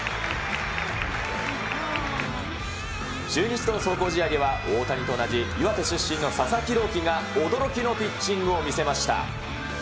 中日との壮行試合では大谷と同じ岩手出身の佐々木朗希が驚きのピッチングを見せました。